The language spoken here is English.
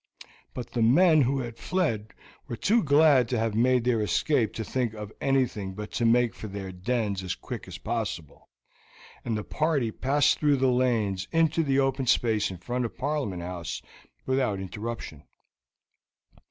But the men who had fled were too glad to have made their escape to think of anything but to make for their dens as quick as possible, and the party passed through the lanes into the open space in front of Parliament House without interruption.